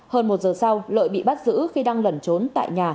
hơn một giờ sau lợi bị bắt giữ khi đang lẩn trốn tại nhà